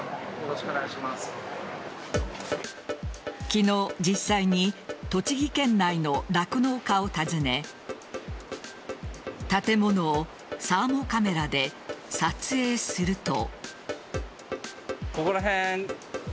昨日、実際に栃木県内の酪農家を訪ね建物をサーモカメラで撮影すると。